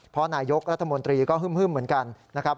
เพราะนายกรัฐมนตรีก็ฮึ่มเหมือนกันนะครับ